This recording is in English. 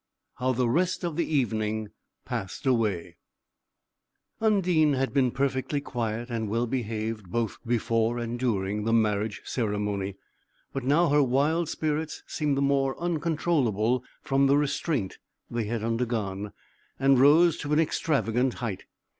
VII. HOW THE REST OF THE EVENING PASSED AWAY Undine had been perfectly quiet and well behaved both before and during the marriage ceremony; but now her wild spirits seemed the more uncontrollable from the restraint they had undergone, and rose to an extravagant height.